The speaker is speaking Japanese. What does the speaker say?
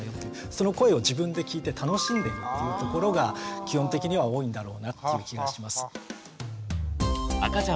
その声を自分で聞いて楽しんでるというところが基本的には多いんだろうなっていう気がします。